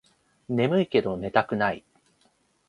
ねむいけど寝たくない